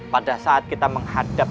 pada saat kita menghadap